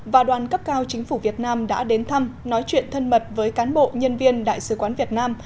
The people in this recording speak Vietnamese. và đoàn cấp cao chính phủ việt nam đã đến thăm nói chuyện thân mật với cán bộ nhân viên đại sứ quán việt nam